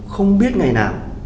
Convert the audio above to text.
không biết ngày nào